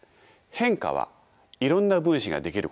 変化はいろんな分子が出来ること。